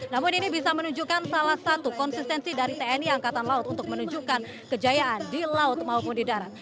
namun ini bisa menunjukkan salah satu konsistensi dari tni angkatan laut untuk menunjukkan kejayaan di laut maupun di darat